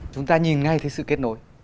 chúng ta nhìn ngay thấy sự kết nối